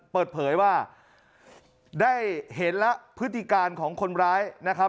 เปิดเผยว่าได้เห็นแล้วพฤติการของคนร้ายนะครับ